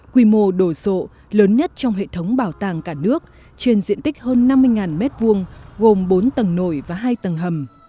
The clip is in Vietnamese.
quy mô đồ sộ lớn nhất trong hệ thống bảo tàng cả nước trên diện tích hơn năm mươi m hai gồm bốn tầng nổi và hai tầng hầm